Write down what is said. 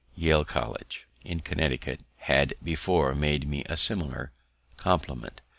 Yale College, in Connecticut, had before made me a similar compliment.